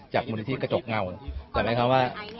จากมูลดิธิกระจกเงาเดี๋ยวแม่คำว่า